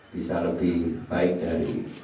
bisa lebih baik dari